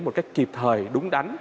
một cách kịp thời đúng đắn